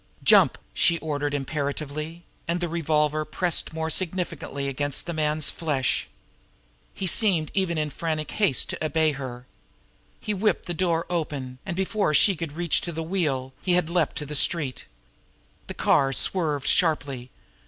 "Jump!" she ordered imperatively and her revolver pressed still more significantly against the man's flesh. He seemed in even frantic haste to obey her. He whipped the door open, and, before she could reach to the wheel, he had leaped to the street. The car swerved sharply.